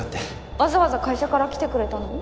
わざわざ会社から来てくれたの？